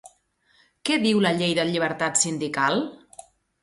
Què diu la llei de llibertat sindical?